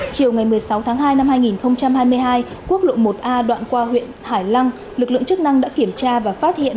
chiều ngày một mươi sáu tháng hai năm hai nghìn hai mươi hai quốc lộ một a đoạn qua huyện hải lăng lực lượng chức năng đã kiểm tra và phát hiện